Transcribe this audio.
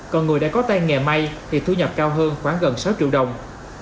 còn người đã có tay nghề may thì thu nhập cao hơn khoảng gần sáu triệu đồng